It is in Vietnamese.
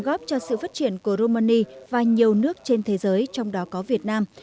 các trên thế giới trong đó có việt nam